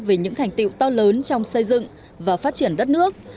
về những thành tiệu to lớn trong xây dựng và phát triển đất nước